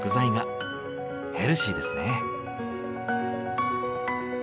ヘルシーですね。